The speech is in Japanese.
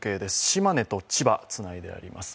島根と千葉、つないであります。